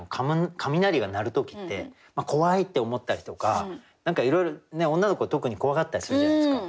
雷が鳴る時って怖いって思ったりとか何かいろいろ女の子は特に怖がったりするじゃないですか。